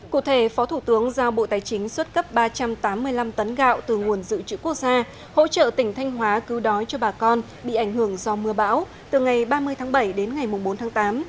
cụ thể phó thủ tướng giao bộ tài chính xuất cấp ba trăm tám mươi năm tấn gạo từ nguồn dự trữ quốc gia hỗ trợ tỉnh thanh hóa cứu đói cho bà con bị ảnh hưởng do mưa bão từ ngày ba mươi tháng bảy đến ngày bốn tháng tám